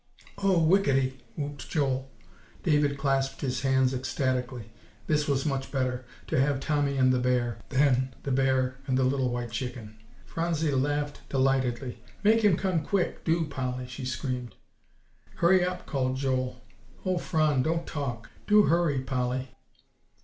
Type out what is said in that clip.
"Oh, whickety!" whooped Joel. David clasped his hands ecstatically. This was much better, to have Tommy and the bear, than the bear and the little white chicken. Phronsie laughed delightedly, "Make him come quick, do, Polly!" she screamed. "Hurry up!" called Joel; "O Phron! don't talk. Do hurry, Polly!"